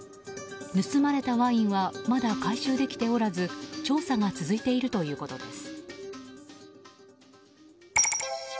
盗まれたワインはまだ回収できておらず調査が続いているということです。